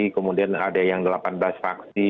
kemudian ada yang delapan belas faksi